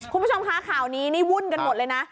คุณผู้ชมคะข่าวนี้นี่วุ่นกันหมดเลยนะ